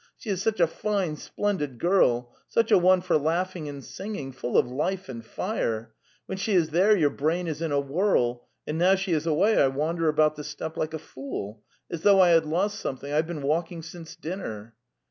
She is such a fine, splendid girl, such a one for laughing and singing, full of life and fire! When she is there your brain is in a whirl, and now she is away I wander about the steppe like a fool, as though I had lost something. I have been walking since dinner."